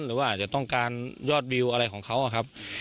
หรือว่าอาจจะต้องการยอดวิวอะไรของเขาครับ